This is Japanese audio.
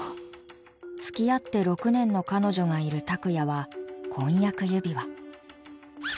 つきあって６年の彼女がいるたくやは婚約指輪。